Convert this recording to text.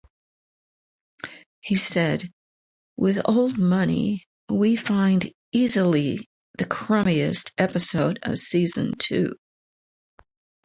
He said, With 'Old Money', we find easily the crummiest episode of season two.